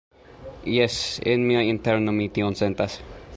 Jes, en mia interno mi tion sentas.